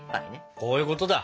こういうことだ。